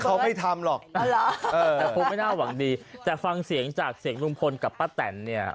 เขาไม่ทำหรอกแต่คงไม่น่าหวังดีแต่ฟังเสียงจากเสียงลุงพลกับป้าแตนเนี่ย